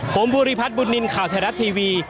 ผมภูริพัฒนบุญนินทร์ข่าวไทยรัฐทีวี